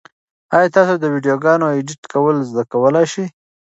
ایا تاسو د ویډیوګانو ایډیټ کول زده کولای شئ؟